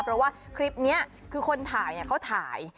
เพราะว่าคลิปนี้คือคนถ่ายเขาถ่าย